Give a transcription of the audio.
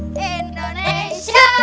ate pacaran sama siapa